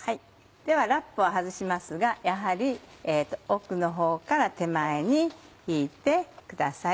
ではラップを外しますがやはり奥の方から手前に引いてください。